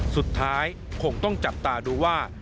สุดท้ายคงต้องจับตาดูว่า